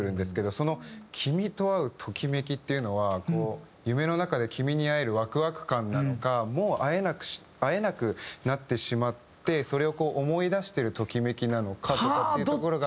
その「君と会うトキメキ」っていうのは夢の中で君に会えるワクワク感なのかもう会えなくなってしまってそれをこう思い出してるトキメキなのかとかっていうところが。